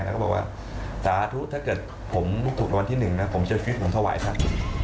แล้วก็บอกว่าสาธุว่าถ้าเกิดผมรูปรุงรางวัลที่หนึ่งนะของจะคุยอยู่เทาไหวสัก